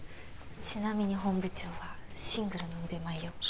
ちなみに本部長はシングルの腕前よ。